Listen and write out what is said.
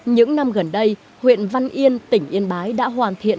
những năm gần đây huyện văn yên tỉnh yên bái đã hoàn thiện